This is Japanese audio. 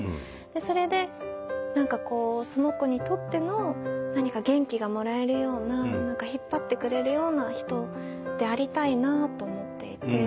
でそれで何かこうその子にとっての何か元気がもらえるような引っ張ってくれるような人でありたいなと思っていて。